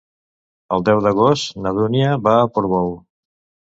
El deu d'agost na Dúnia va a Portbou.